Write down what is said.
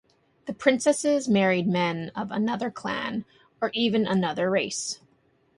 The princesses married men of another clan or even another race.